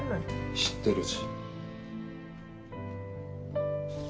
知ってるし。